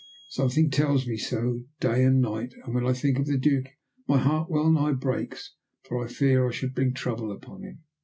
Something tells me so, day and night. And when I think of the Duke my heart well nigh breaks for fear I should bring trouble upon him."